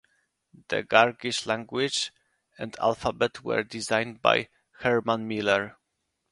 The Gargish language and alphabet were designed by Herman Miller.